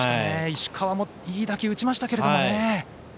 石川もいい打球を打ちましたけどね。